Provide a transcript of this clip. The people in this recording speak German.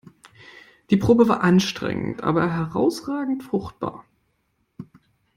Die Probe war anstrengend, aber herausragend fruchtbar.